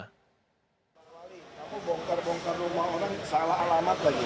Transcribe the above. ketika di wali kita mengadu rumah orang salah alamat lagi